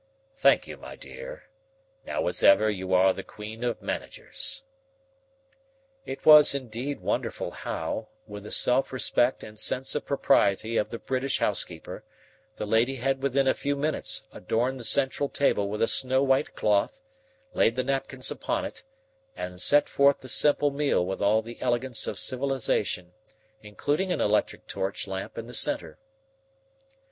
Thank you, my dear now as ever you are the queen of managers." It was indeed wonderful how, with the self respect and sense of propriety of the British housekeeper, the lady had within a few minutes adorned the central table with a snow white cloth, laid the napkins upon it, and set forth the simple meal with all the elegance of civilization, including an electric torch lamp in the centre.